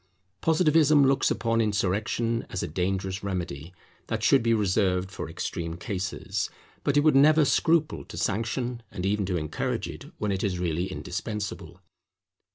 Positivism looks upon insurrection as a dangerous remedy that should be reserved for extreme cases; but it would never scruple to sanction and even to encourage it when it is really indispensable.